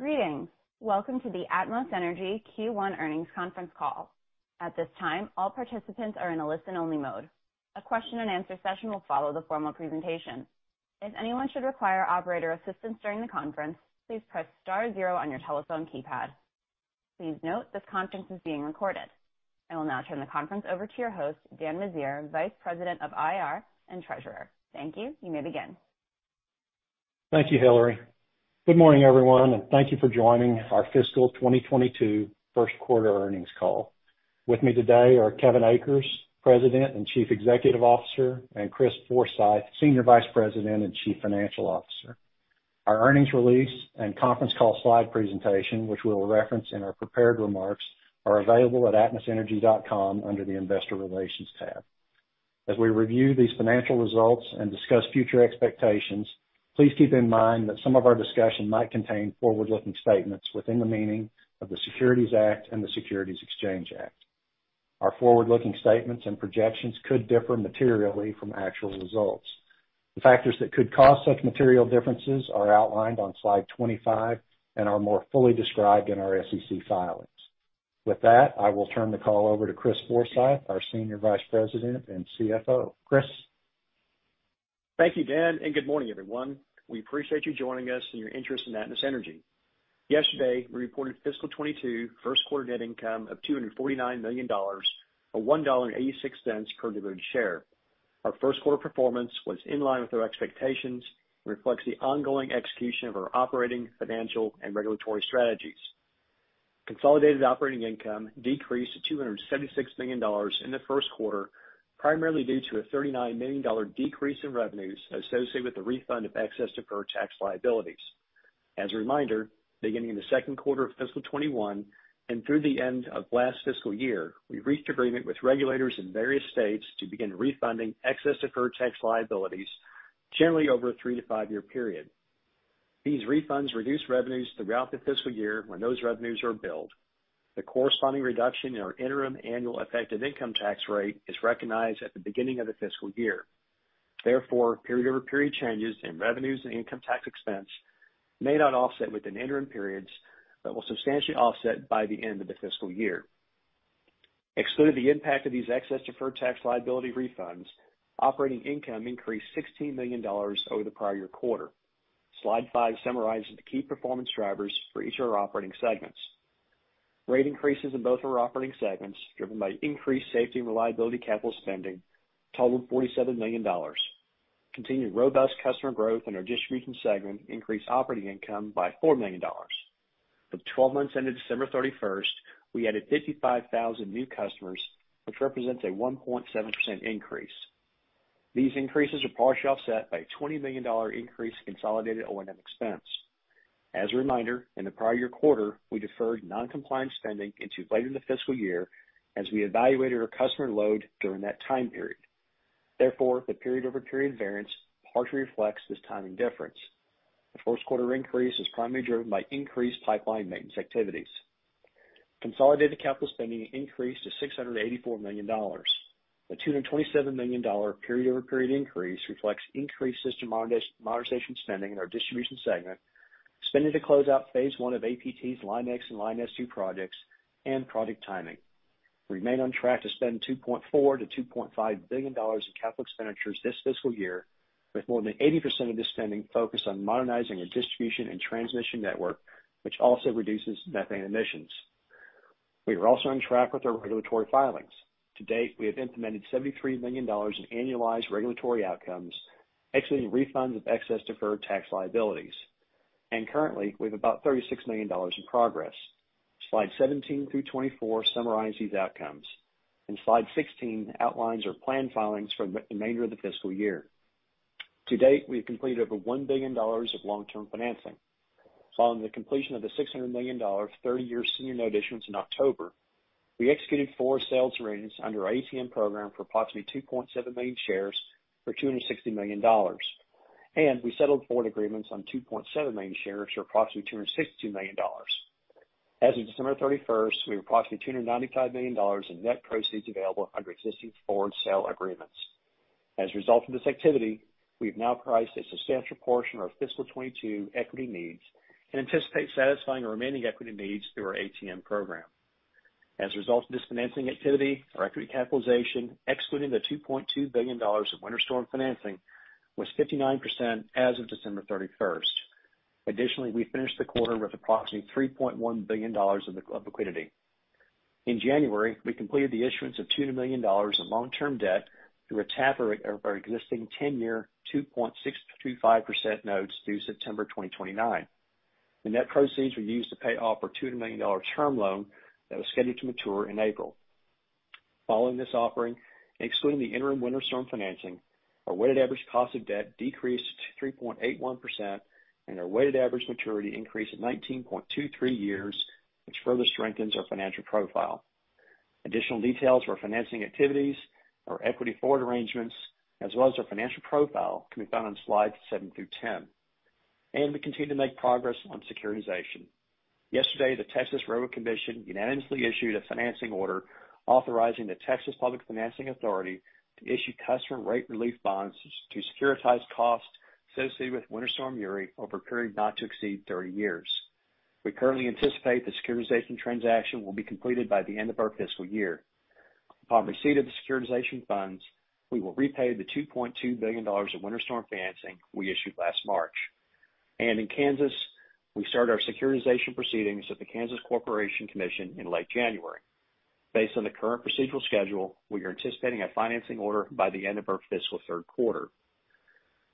Greetings. Welcome to the Atmos Energy Q1 earnings conference call. At this time, all participants are in a listen-only mode. A question and answer session will follow the formal presentation. If anyone should require operator assistance during the conference, please press star zero on your telephone keypad. Please note, this conference is being recorded. I will now turn the conference over to your host, Dan Meziere, Vice President of IR and Treasurer. Thank you. You may begin. Thank you, Hillary. Good morning, everyone, and thank you for joining our fiscal 2022 first quarter earnings call. With me today are Kevin Akers, President and Chief Executive Officer, and Chris Forsythe, Senior Vice President and Chief Financial Officer. Our earnings release and conference call slide presentation, which we'll reference in our prepared remarks, are available at atmosenergy.com under the Investor Relations tab. As we review these financial results and discuss future expectations, please keep in mind that some of our discussion might contain forward-looking statements within the meaning of the Securities Act and the Securities Exchange Act. Our forward-looking statements and projections could differ materially from actual results. The factors that could cause such material differences are outlined on slide 25 and are more fully described in our SEC filings. With that, I will turn the call over to Chris Forsythe, our Senior Vice President and CFO. Chris? Thank you, Dan, and good morning, everyone. We appreciate you joining us and your interest in Atmos Energy. Yesterday, we reported fiscal 2022 first quarter net income of $249 million, or $1.86 per diluted share. Our first quarter performance was in line with our expectations, and reflects the ongoing execution of our operating, financial, and regulatory strategies. Consolidated operating income decreased to $276 million in the first quarter, primarily due to a $39 million decrease in revenues associated with the refund of excess deferred tax liabilities. As a reminder, beginning in the second quarter of fiscal 2021 and through the end of last fiscal year, we've reached agreement with regulators in various states to begin refunding excess deferred tax liabilities, generally over a three to five year period. These refunds reduce revenues throughout the fiscal year when those revenues are billed. The corresponding reduction in our interim annual effective income tax rate is recognized at the beginning of the fiscal year. Therefore, period-over-period changes in revenues and income tax expense may not offset within the interim periods, but will substantially offset by the end of the fiscal year. Excluding the impact of these excess deferred tax liability refunds, operating income increased $16 million over the prior year quarter. Slide five summarizes the key performance drivers for each of our operating segments. Rate increases in both of our operating segments, driven by increased safety and reliability capital spending, totaled $47 million. Continued robust customer growth in our distribution segment increased operating income by $4 million. For the 12 months ended December 31, we added 55,000 new customers, which represents a 1.7% increase. These increases are partially offset by a $20 million increase in consolidated O&M expense. As a reminder, in the prior year quarter, we deferred non-compliance spending into later in the fiscal year as we evaluated our customer load during that time period. Therefore, the period-over-period variance partially reflects this timing difference. The first quarter increase is primarily driven by increased pipeline maintenance activities. Consolidated capital spending increased to $684 million. The $227 million period-over-period increase reflects increased system modernization spending in our distribution segment, spending to close out phase I of APT's Line X and Line S2 projects, and project timing. We remain on track to spend $2.4 billion-$2.5 billion in capital expenditures this fiscal year, with more than 80% of this spending focused on modernizing our distribution and transmission network, which also reduces methane emissions. We are also on track with our regulatory filings. To date, we have implemented $73 million in annualized regulatory outcomes, excluding refunds of excess deferred tax liabilities. Currently, we have about $36 million in progress. Slides 17 through 24 summarize these outcomes, and slide 16 outlines our planned filings for the remainder of the fiscal year. To date, we have completed over $1 billion of long-term financing, following the completion of the $600 million 30 year senior note issuance in October. We executed four sales arrangements under our ATM program for approximately 2.7 million shares for $260 million, and we settled forward agreements on 2.7 million shares for approximately $262 million. As of December 31st, we have approximately $295 million in net proceeds available under existing forward sale agreements. As a result of this activity, we've now priced a substantial portion of our fiscal 2022 equity needs and anticipate satisfying our remaining equity needs through our ATM program. As a result of this financing activity, our equity capitalization, excluding the $2.2 billion of Winter Storm financing, was 59% as of December 31st. Additionally, we finished the quarter with approximately $3.1 billion of liquidity. In January, we completed the issuance of $200 million of long-term debt through a tap of our existing 10 year 2.625% notes due September 2029. The net proceeds were used to pay off our $200 million term loan that was scheduled to mature in April. Following this offering, excluding the interim winter storm financing, our weighted average cost of debt decreased to 3.81%, and our weighted average maturity increased to 19.23 years, which further strengthens our financial profile. Additional details of our financing activities, our equity forward arrangements, as well as our financial profile, can be found on slides seven through 10. We continue to make progress on securitization. Yesterday, the Texas Railroad Commission unanimously issued a financing order authorizing the Texas Public Finance Authority to issue customer rate relief bonds to securitize costs associated with Winter Storm Uri over a period not to exceed 30 years. We currently anticipate the securitization transaction will be completed by the end of our fiscal year. Upon receipt of the securitization funds, we will repay the $2.2 billion in winter storm financing we issued last March. In Kansas, we started our securitization proceedings at the Kansas Corporation Commission in late January. Based on the current procedural schedule, we are anticipating a financing order by the end of our fiscal third quarter.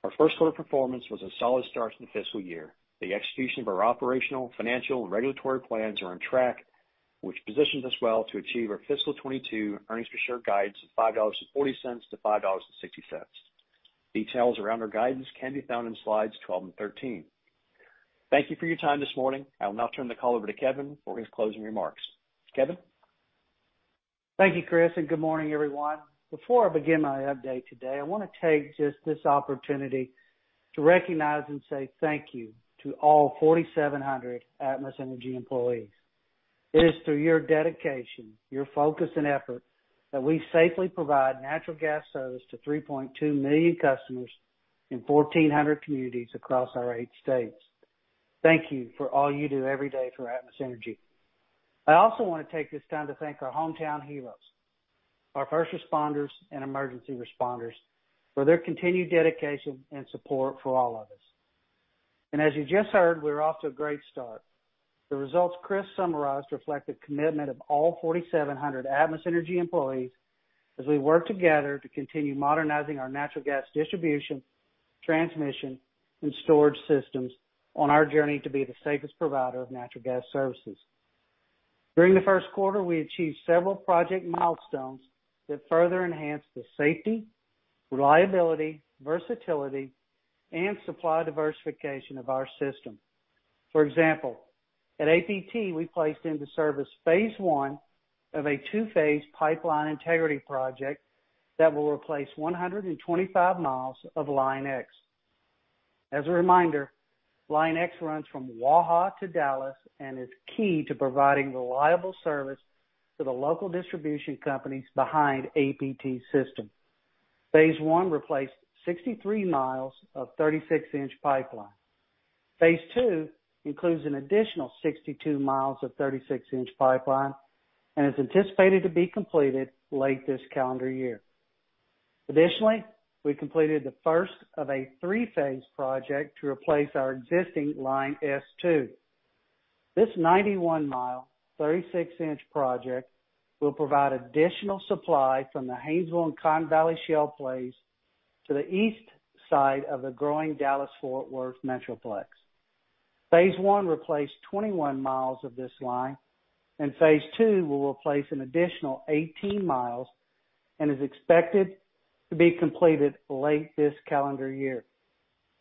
Our first quarter performance was a solid start to the fiscal year. The execution of our operational, financial, and regulatory plans are on track, which positions us well to achieve our fiscal 2022 earnings per share guidance of $5.40-$5.60. Details around our guidance can be found in slides 12 and 13. Thank you for your time this morning. I will now turn the call over to Kevin for his closing remarks. Kevin? Thank you, Chris, and good morning, everyone. Before I begin my update today, I wanna take just this opportunity to recognize and say thank you to all 4,700 Atmos Energy employees. It is through your dedication, your focus, and effort that we safely provide natural gas service to 3.2 million customers in 1,400 communities across our eight states. Thank you for all you do every day for Atmos Energy. I also wanna take this time to thank our hometown heroes, our first responders and emergency responders, for their continued dedication and support for all of us. As you just heard, we're off to a great start. The results Chris summarized reflect the commitment of all 4,700 Atmos Energy employees as we work together to continue modernizing our natural gas distribution, transmission, and storage systems on our journey to be the safest provider of natural gas services. During the first quarter, we achieved several project milestones that further enhanced the safety, reliability, versatility, and supply diversification of our system. For example, at APT, we placed into service phase I of a two-phase pipeline integrity project that will replace 125 miles of Line X. As a reminder, Line X runs from Waha to Dallas and is key to providing reliable service to the local distribution companies behind APT system. Phase I replaced 63 miles of 36-inch pipeline. Phase II includes an additional 62 miles of 36-inch pipeline and is anticipated to be completed late this calendar year. Additionally, we completed the first of a three-phase project to replace our existing Line S2. This 91-mile, 36-inch project will provide additional supply from the Haynesville and Cotton Valley Shale plays to the east side of the growing Dallas-Fort Worth metroplex. Phase I replaced 21 miles of this line, and phase II will replace an additional 18 miles and is expected to be completed late this calendar year.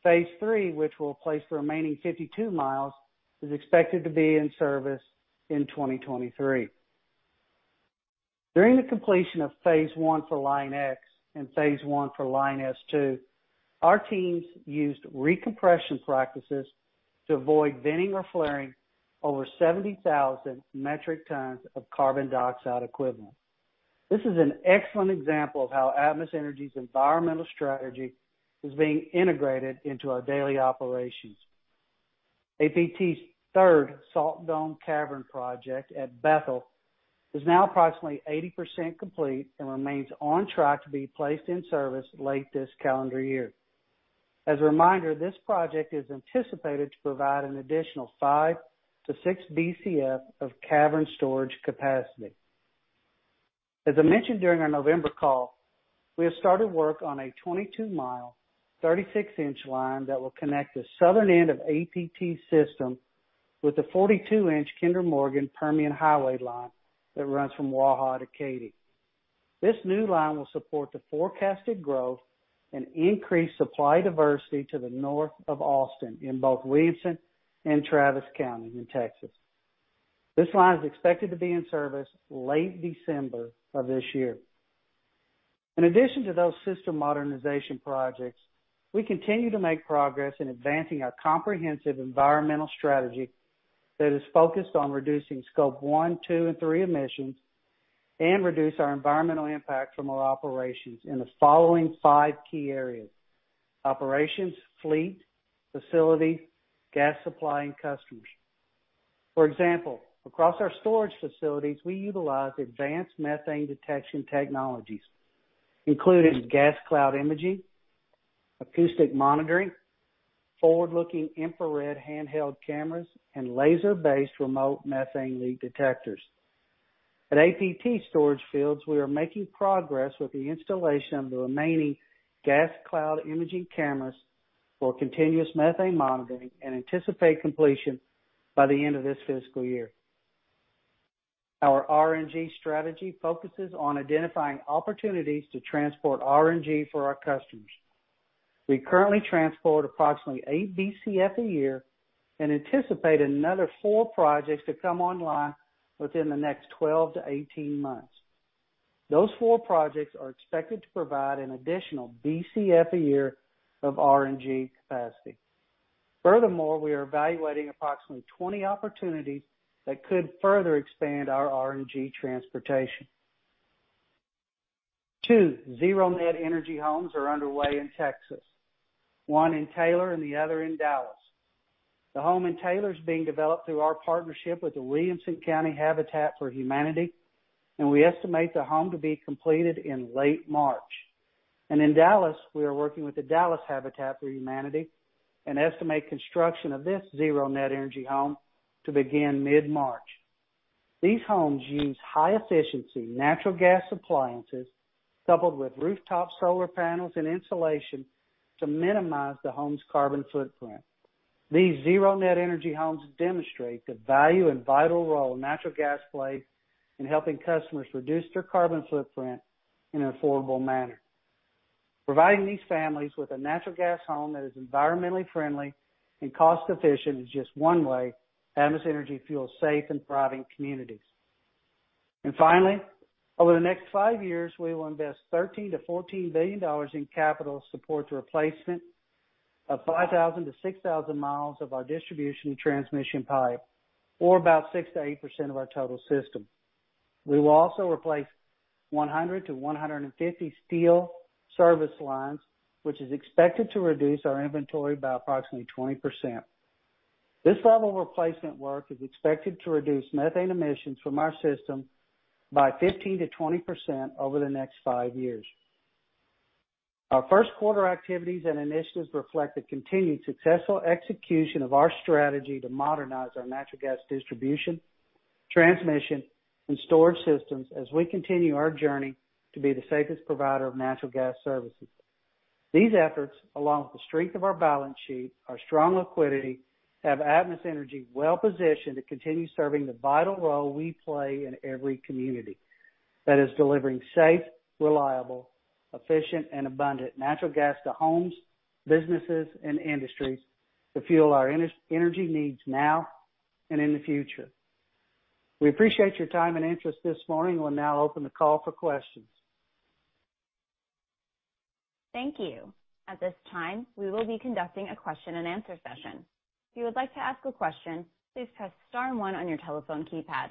Phase III, which will replace the remaining 52 miles, is expected to be in service in 2023. During the completion of phase I for Line X and phase I for Line S2, our teams used recompression practices to avoid venting or flaring over 70,000 metric tons of carbon dioxide equivalent. This is an excellent example of how Atmos Energy's environmental strategy is being integrated into our daily operations. APT's third Salt Dome Cavern project at Bethel is now approximately 80% complete and remains on track to be placed in service late this calendar year. As a reminder, this project is anticipated to provide an additional five-six BCF of cavern storage capacity. As I mentioned during our November call, we have started work on a 22-mile, 36-inch line that will connect the southern end of APT system with the 42-inch Kinder Morgan Permian Highway line that runs from Waha to Katy. This new line will support the forecasted growth and increase supply diversity to the north of Austin in both Williamson County and Travis County in Texas. This line is expected to be in service late December of this year. In addition to those system modernization projects, we continue to make progress in advancing our comprehensive environmental strategy that is focused on reducing scope one, two and three emissions and reduce our environmental impact from our operations in the following five key areas, operations, fleet, facilities, gas supply, and customers. For example, across our storage facilities, we utilize advanced methane detection technologies, including gas cloud imaging, acoustic monitoring, forward-looking infrared handheld cameras, and laser-based remote methane leak detectors. At APT storage fields, we are making progress with the installation of the remaining gas cloud imaging cameras for continuous methane monitoring and anticipate completion by the end of this fiscal year. Our RNG strategy focuses on identifying opportunities to transport RNG for our customers. We currently transport approximately eight BCF a year and anticipate another four projects to come online within the next 12-18 months. Those 4 projects are expected to provide an additional BCF a year of RNG capacity. Furthermore, we are evaluating approximately 20 opportunities that could further expand our RNG transportation. two zero net energy homes are underway in Texas, one in Taylor and the other in Dallas. The home in Taylor is being developed through our partnership with the Williamson County Habitat for Humanity, and we estimate the home to be completed in late March. In Dallas, we are working with the Dallas Habitat for Humanity and estimate construction of this zero net energy home to begin mid-March. These homes use high efficiency natural gas appliances coupled with rooftop solar panels and insulation to minimize the home's carbon footprint. These zero net energy homes demonstrate the value and vital role natural gas plays in helping customers reduce their carbon footprint in an affordable manner. Providing these families with a natural gas home that is environmentally friendly and cost efficient is just one way Atmos Energy fuels safe and thriving communities. Finally, over the next five years, we will invest $13 billion-$14 billion in capital support to replacement of 5,000-6,000 miles of our distribution and transmission pipe, or about 6%-8% of our total system. We will also replace 100-150 steel service lines, which is expected to reduce our inventory by approximately 20%. This level of replacement work is expected to reduce methane emissions from our system by 15%-20% over the next five years. Our first quarter activities and initiatives reflect the continued successful execution of our strategy to modernize our natural gas distribution, transmission, and storage systems as we continue our journey to be the safest provider of natural gas services. These efforts, along with the strength of our balance sheet, our strong liquidity, have Atmos Energy well positioned to continue serving the vital role we play in every community. That is delivering safe, reliable, efficient, and abundant natural gas to homes, businesses, and industries to fuel our energy needs now and in the future. We appreciate your time and interest this morning. We'll now open the call for questions. Thank you. At this time, we will be conducting a question and answer session. If you would like to ask a question, please press star one on your telephone keypad.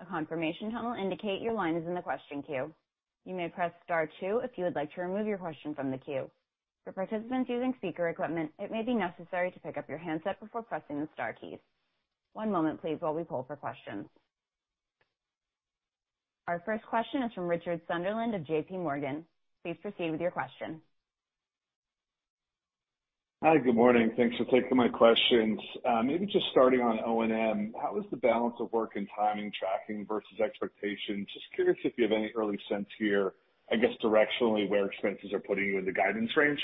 A confirmation tone will indicate your line is in the question queue. You may press star two if you would like to remove your question from the queue. For participants using speaker equipment, it may be necessary to pick up your handset before pressing the star keys. One moment, please, while we pull for questions. Our first question is from Richard Sunderland of J.P. Morgan. Please proceed with your question. Hi, good morning. Thanks for taking my questions. Maybe just starting on O&M, how is the balance of work and timing tracking versus expectations? Just curious if you have any early sense here, I guess directionally, where expenses are putting you in the guidance range.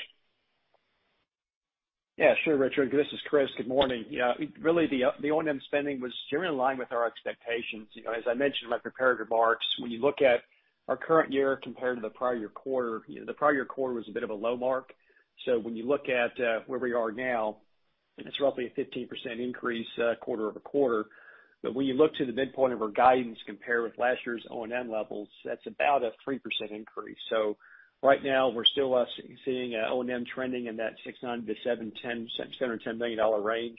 Yeah, sure, Richard, this is Chris. Good morning. Yeah, really the O&M spending was generally in line with our expectations. You know, as I mentioned in my prepared remarks, when you look at our current year compared to the prior year quarter, you know, the prior year quarter was a bit of a low mark. When you look to where we are now, and it's roughly a 15% increase quarter-over-quarter. When you look to the midpoint of our guidance compared with last year's O&M levels, that's about a 3% increase. Right now we're still seeing O&M trending in that $600 million-$710 million range.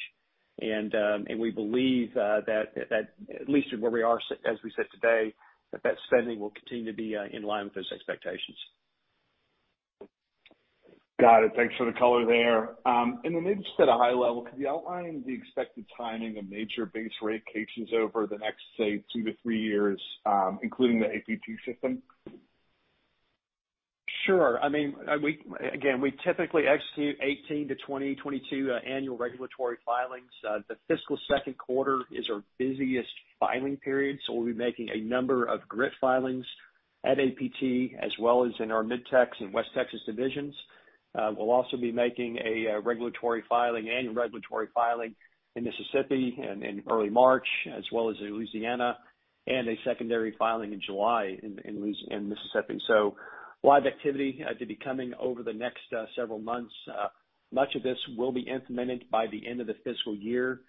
We believe that at least where we are, as we said today, that spending will continue to be in line with those expectations. Got it. Thanks for the color there. Maybe just at a high level, could you outline the expected timing of major base rate cases over the next, say, two three years, including the APT system? Sure. I mean, again, we typically execute 18 to 20-22 annual regulatory filings. The fiscal second quarter is our busiest filing period, so we'll be making a number of GRIP filings at APT as well as in our Mid-Tex and West Texas divisions. We'll also be making a regulatory filing, annual regulatory filing in Mississippi in early March as well as in Louisiana and a secondary filing in July in Mississippi. A lot of activity to be coming over the next several months. Much of this will be implemented by the end of the fiscal year.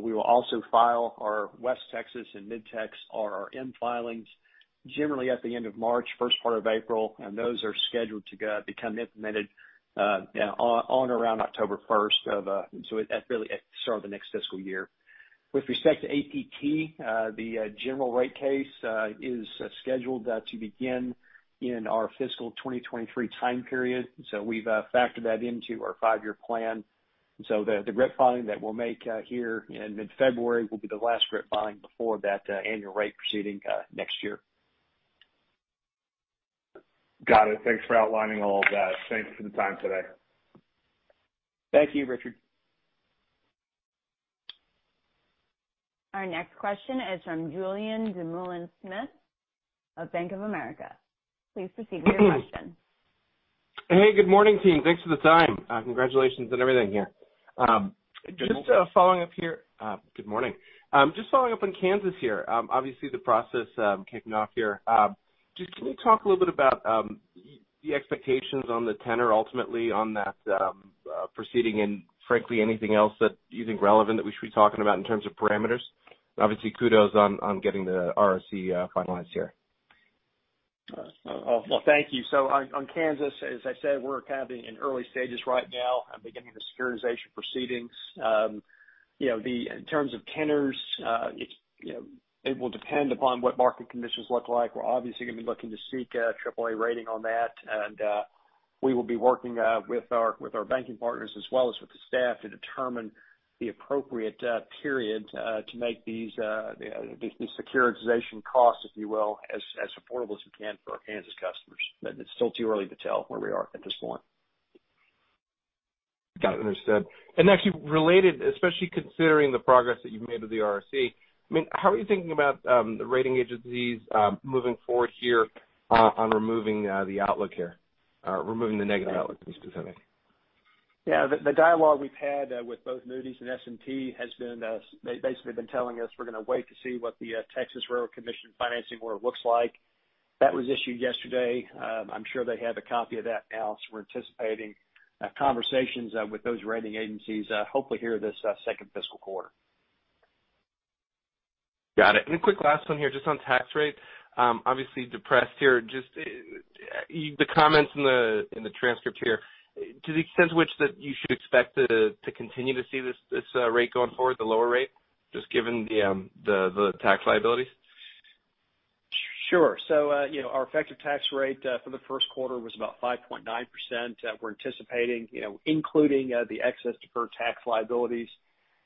We will also file our West Texas and Mid-Tex, our RM filings generally at the end of March, first part of April, and those are scheduled to become implemented on around October 1st, so really start of the next fiscal year. With respect to APT, the general rate case is scheduled to begin in our fiscal 2023 time period. We've factored that into our five year plan. The GRIP filing that we'll make here in mid-February will be the last GRIP filing before that annual rate proceeding next year. Got it. Thanks for outlining all of that. Thanks for the time today. Thank you, Richard. Our next question is from Julien Dumoulin-Smith of Bank of America. Please proceed with your question. Hey, good morning, team. Thanks for the time. Congratulations on everything here. Just following up on Kansas here. Obviously the process kicking off here. Just can you talk a little bit about the expectations on the tenor ultimately on that proceeding and frankly anything else that you think relevant that we should be talking about in terms of parameters. Obviously kudos on getting the RRC finalized here. Well, thank you. On Kansas, as I said, we're kind of in early stages right now and beginning the securitization proceedings. You know, the terms of tenors, it's, you know, it will depend upon what market conditions look like. We're obviously gonna be looking to seek a triple-A rating on that. We will be working with our banking partners as well as with the staff to determine the appropriate period to make the securitization costs, if you will, as affordable as we can for our Kansas customers. It's still too early to tell where we are at this point. Got it, understood. Actually related, especially considering the progress that you've made with the RRC, I mean, how are you thinking about the rating agencies moving forward here on removing the negative outlook to be specific. Yeah. The dialogue we've had with both Moody's and S&P has been, they basically have been telling us we're gonna wait to see what the Texas Railroad Commission financing order looks like. That was issued yesterday. I'm sure they have a copy of that now, so we're anticipating conversations with those rating agencies, hopefully here this second fiscal quarter. Got it. A quick last one here, just on tax rate. Obviously depressed here, just the comments in the transcript here. To the extent to which that you should expect to continue to see this rate going forward, the lower rate, just given the tax liability? Sure. You know, our effective tax rate for the first quarter was about 5.9%. We're anticipating, you know, including the excess deferred tax liabilities,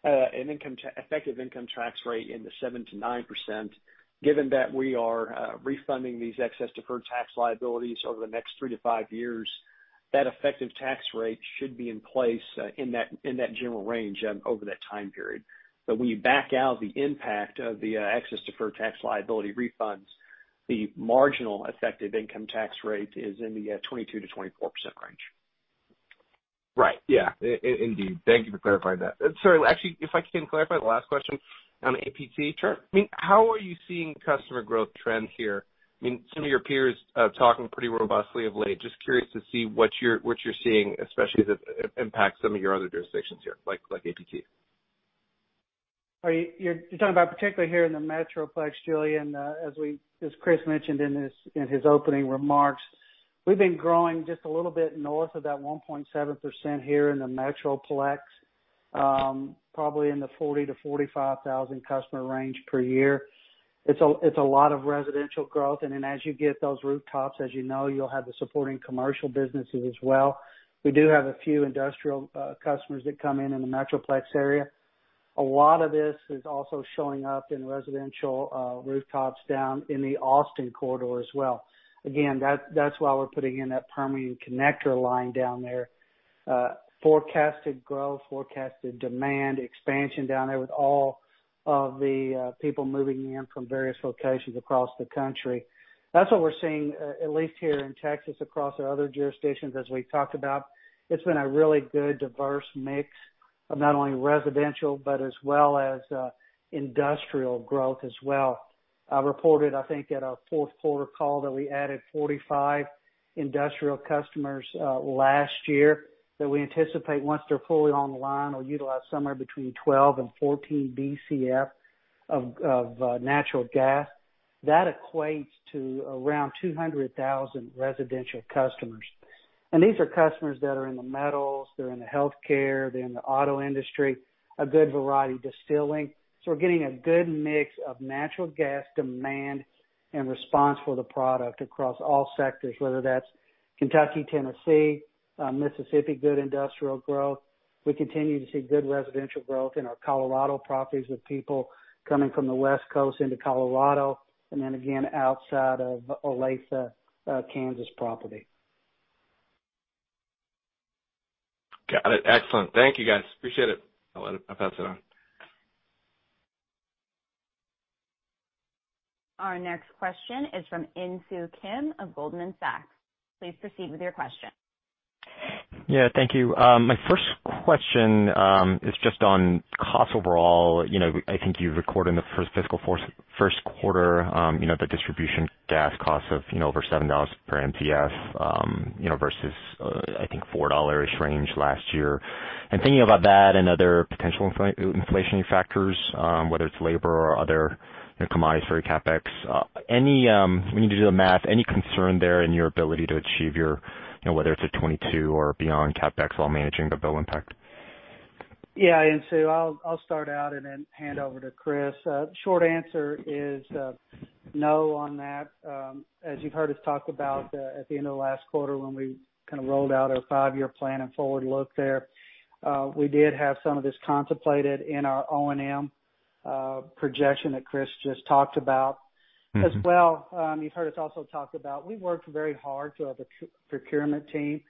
an effective income tax rate in the 7%-9%. Given that we are refunding these excess deferred tax liabilities over the next three to five years, that effective tax rate should be in place in that general range over that time period. When you back out the impact of the excess deferred tax liability refunds, the marginal effective income tax rate is in the 22%-24% range. Right. Yeah. Indeed. Thank you for clarifying that. Sorry, actually, if I can clarify the last question on APT. Sure. I mean, how are you seeing customer growth trends here? I mean, some of your peers talking pretty robustly of late. Just curious to see what you're seeing, especially as it impacts some of your other jurisdictions here, like APT. You're talking about particularly here in the Metroplex, Julien. As Chris mentioned in his opening remarks, we've been growing just a little bit north of that 1.7% here in the Metroplex, probably in the 40,000-45,000 customer range per year. It's a lot of residential growth. Then as you get those rooftops, as you know, you'll have the supporting commercial businesses as well. We do have a few industrial customers that come in in the Metroplex area. A lot of this is also showing up in residential rooftops down in the Austin corridor as well. Again, that's why we're putting in that Permian Connector line down there. Forecasted growth, forecasted demand expansion down there with all of the people moving in from various locations across the country. That's what we're seeing at least here in Texas, across our other jurisdictions as we've talked about. It's been a really good diverse mix of not only residential but as well as industrial growth as well. Reported, I think, at our fourth quarter call that we added 45 industrial customers last year that we anticipate once they're fully online, will utilize somewhere between 12-14 BCF of natural gas. That equates to around 200,000 residential customers. These are customers that are in the metals, they're in the healthcare, they're in the auto industry, a good variety, distilling. We're getting a good mix of natural gas demand and response for the product across all sectors, whether that's Kentucky, Tennessee, Mississippi, good industrial growth. We continue to see good residential growth in our Colorado properties with people coming from the West Coast into Colorado and then again outside of Olathe, Kansas property. Got it. Excellent. Thank you guys. Appreciate it. I'll pass it on. Our next question is from Insoo Kim of Goldman Sachs. Please proceed with your question. Yeah, thank you. My first question is just on cost overall. You know, I think you've recorded in the first fiscal quarter, you know, the distribution gas costs of, you know, over $7 per Mcf, you know, versus, I think four-dollar range last year. Thinking about that and other potential inflation factors, whether it's labor or other commodities for your CapEx. When you do the math, any concern there in your ability to achieve your, you know, whether it's a 22 or beyond CapEx while managing the bill impact? Yeah. I'll start out and then hand over to Chris. Short answer is no on that. As you've heard us talk about, at the end of last quarter when we kind of rolled out our five-year plan and forward look there, we did have some of this contemplated in our O&M projection that Chris just talked about. As well, you've heard us also talk about we've worked very hard to have a procurement team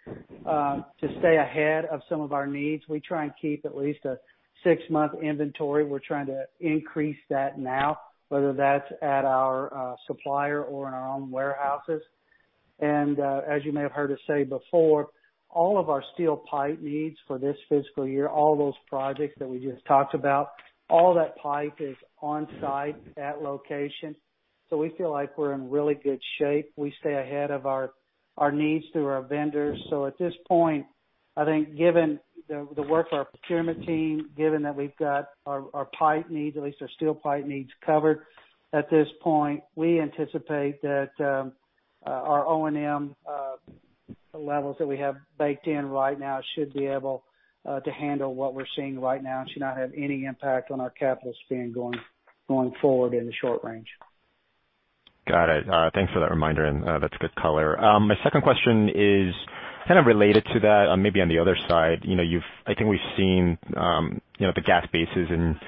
to stay ahead of some of our needs. We try and keep at least a six month inventory. We're trying to increase that now, whether that's at our supplier or in our own warehouses. As you may have heard us say before, all of our steel pipe needs for this fiscal year, all those projects that we just talked about, all that pipe is on site at location. We feel like we're in really good shape. We stay ahead of our needs through our vendors. At this point, I think given the work of our procurement team, given that we've got our pipe needs, at least our steel pipe needs covered at this point, we anticipate that our O&M levels that we have baked in right now should be able to handle what we're seeing right now. It should not have any impact on our capital spend going forward in the short range. Got it. Thanks for that reminder, and that's a good color. My second question is kind of related to that, maybe on the other side. You know, I think we've seen, you know, the gas basis in,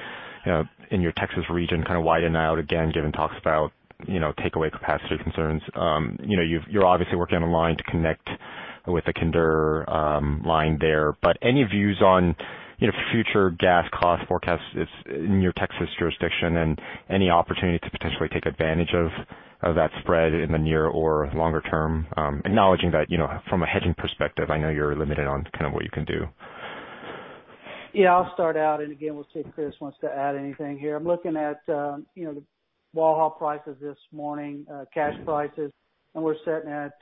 you know, in your Texas region kind of widen out again, given talks about, you know, takeaway capacity concerns. You know, you're obviously working on a line to connect with the Kinder Morgan line there. But any views on, you know, future gas cost forecasts in your Texas jurisdiction and any opportunity to potentially take advantage of that spread in the near or longer term, acknowledging that, you know, from a hedging perspective, I know you're limited on kind of what you can do. Yeah. I'll start out, and again, we'll see if Chris wants to add anything here. I'm looking at, you know, the Waha prices this morning, cash prices, and we're sitting at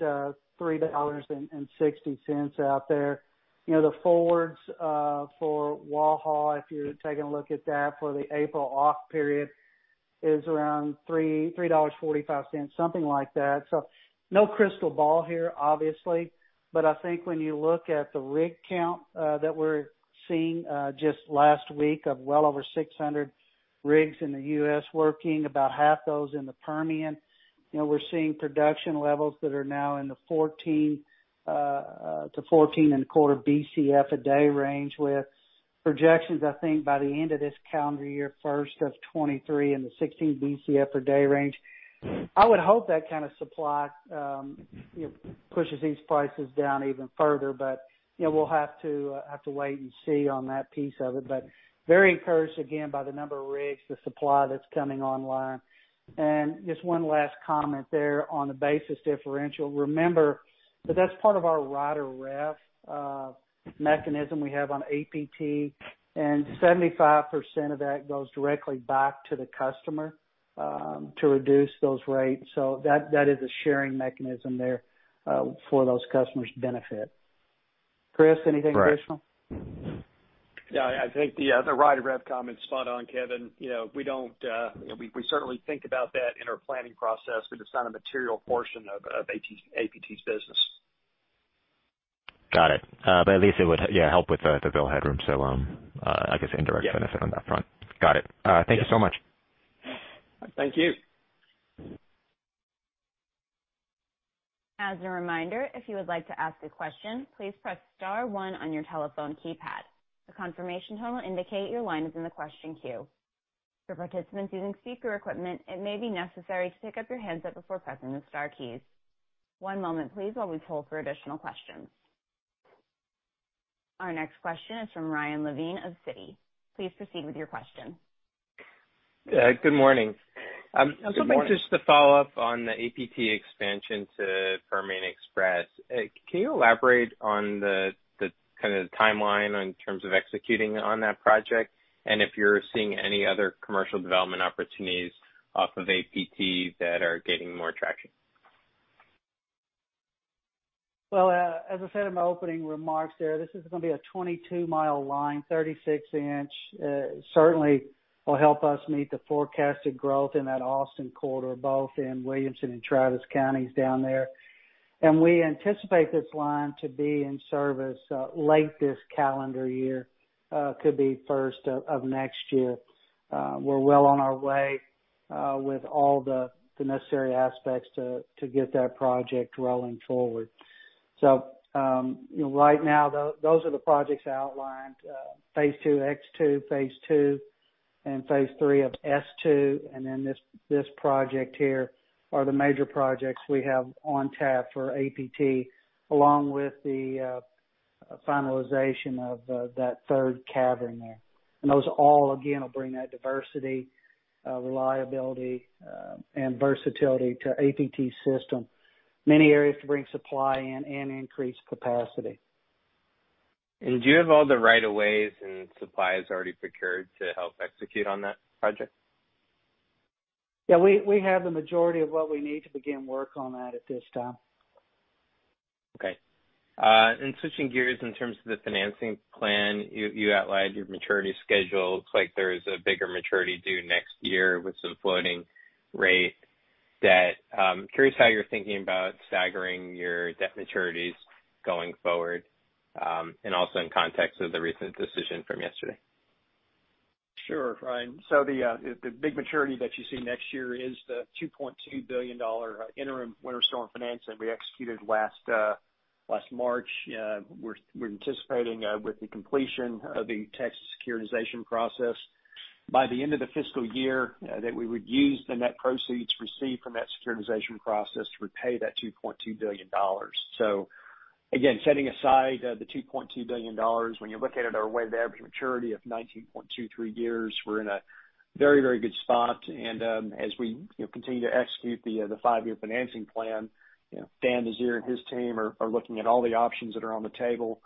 $3.60 out there. You know, the forwards for Waha, if you're taking a look at that for the April off period, is around $3.45, something like that. No crystal ball here, obviously, but I think when you look at the rig count that we're seeing just last week of well over 600 rigs in the U.S. working, about half those in the Permian, you know, we're seeing production levels that are now in the 14 to 14.25 Bcf a day range with projections, I think, by the end of this calendar year, first of 2023 in the 16 Bcf a day range. I would hope that kind of supply, you know, pushes these prices down even further. You know, we'll have to wait and see on that piece of it. Very encouraged again by the number of rigs, the supply that's coming online. Just one last comment there on the basis differential. Remember that that's part of our Rider REV mechanism we have on APT, and 75% of that goes directly back to the customer, to reduce those rates. That is a sharing mechanism there, for those customers' benefit. Chris, anything additional? Right. Yeah. I think the Rider REV comment is spot on, Kevin. You know, we don't, you know, we certainly think about that in our planning process, but it's not a material portion of APT's business. Got it. At least it would help with the bill headroom. I guess indirect benefit on that front. Got it. Thank you so much. Thank you. As a reminder, if you would like to ask a question, please press star one on your telephone keypad. The confirmation tone will indicate your line is in the question queue. For participants using speaker equipment, it may be necessary to pick up your handset before pressing the star keys. One moment please while we hold for additional questions. Our next question is from Ryan Levine of Citi. Please proceed with your question. Good morning. Good morning. I was hoping just to follow up on the APT expansion to Permian Highway. Can you elaborate on the kind of the timeline in terms of executing on that project, and if you're seeing any other commercial development opportunities off of APT that are gaining more traction? Well, as I said in my opening remarks there, this is gonna be a 22-mile line, 36-inch. Certainly will help us meet the forecasted growth in that Austin corridor, both in Williamson and Travis Counties down there. We anticipate this line to be in service late this calendar year, could be first of next year. We're well on our way with all the necessary aspects to get that project rolling forward. You know, right now, those are the projects outlined. Phase II X2, phase II and phase III of S2, and then this project here are the major projects we have on tap for APT, along with the finalization of that third cavern there. Those all again will bring that diversity, reliability, and versatility to APT system. Many areas to bring supply in and increase capacity. Do you have all the rights-of-way and supplies already procured to help execute on that project? Yeah. We have the majority of what we need to begin work on that at this time. Okay. Switching gears in terms of the financing plan, you outlined your maturity schedule. Looks like there's a bigger maturity due next year with some floating rate debt. Curious how you're thinking about staggering your debt maturities going forward, and also in context of the recent decision from yesterday. Sure, Ryan. The big maturity that you see next year is the $2.2 billion interim Winter Storm financing that we executed last March. We're anticipating with the completion of the Texas securitization process by the end of the fiscal year that we would use the net proceeds received from that securitization process to repay that $2.2 billion. Again, setting aside the $2.2 billion, when you look at it, our weighted average maturity of 19.23 years, we're in a very good spot. As we, you know, continue to execute the five year financing plan, you know, Dan Meziere and his team are looking at all the options that are on the table.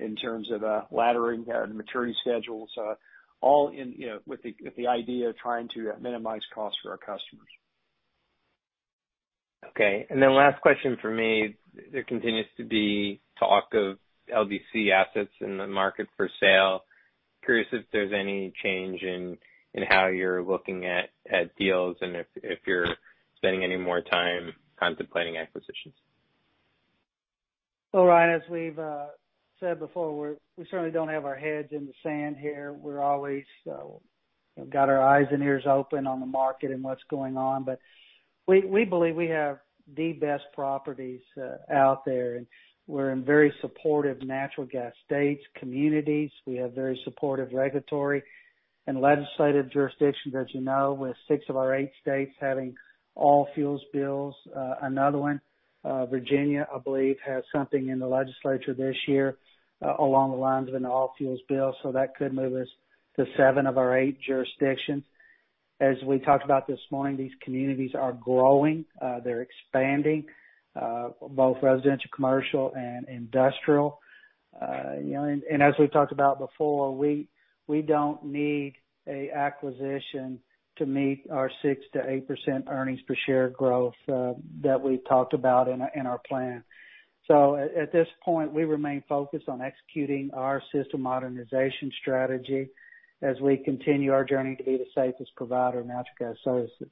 In terms of laddering and maturity schedules, all in, you know, with the idea of trying to minimize costs for our customers. Okay. Last question for me. There continues to be talk of LDC assets in the market for sale. Curious if there's any change in how you're looking at deals and if you're spending any more time contemplating acquisitions. Well, Ryan, as we've said before, we certainly don't have our heads in the sand here. We're always got our eyes and ears open on the market and what's going on. We believe we have the best properties out there. We're in very supportive natural gas states, communities. We have very supportive regulatory and legislative jurisdictions, as you know, with six of our eight states having all-fuels bills. Another one, Virginia, I believe, has something in the legislature this year, along the lines of an all-fuels bill, so that could move us to seven of our eight jurisdictions. As we talked about this morning, these communities are growing. They're expanding both residential, commercial, and industrial. You know, and as we've talked about before, we don't need an acquisition to meet our 6%-8% earnings per share growth that we've talked about in our plan. At this point, we remain focused on executing our system modernization strategy as we continue our journey to be the safest provider of natural gas services.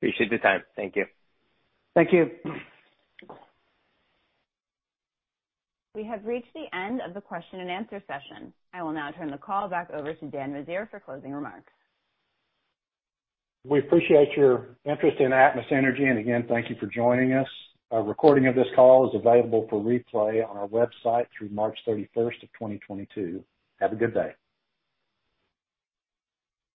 appreciate the time. Thank you. Thank you. We have reached the end of the question-and-answer session. I will now turn the call back over to Dan Meziere for closing remarks. We appreciate your interest in Atmos Energy. Again, thank you for joining us. A recording of this call is available for replay on our website through March 31, 2022. Have a good day.